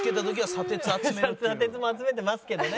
砂鉄も集めてますけどね。